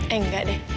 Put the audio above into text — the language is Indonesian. eh enggak deh